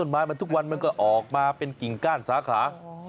ไม้มันทุกวันมันก็ออกมาเป็นกิ่งก้านสาขา